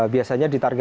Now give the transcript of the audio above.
biasanya di target